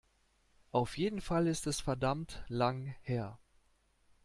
Auf jeden Fall ist es verdammt lang her.